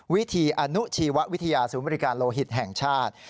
วิธีอนุชีววิทยาศูนย์บริการโลหิตแห่งชาติ